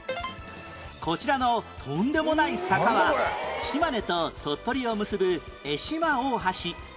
こちらのとんでもない坂は島根と鳥取を結ぶ江島大橋